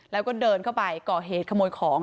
แล้วก็เดินเข้าไปก่อเหตุขโมยของ